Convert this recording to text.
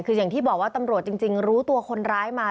คืออย่างที่บอกว่าตำรวจจริงรู้ตัวคนร้ายมา